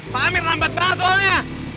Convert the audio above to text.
pak amir lambat banget soalnya